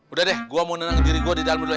udah deh gue mau nenang diri gue di dalam dunia